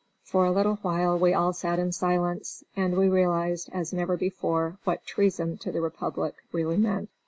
For a little while we all sat in silence, and we realized as never before what treason to the republic really meant.